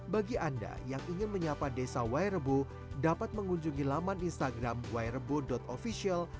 bagi anda yang ingin menyapa desa y rebo dapat mengunjungi laman instagram y rebo official